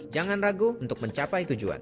jangan ragu untuk mencapai tujuan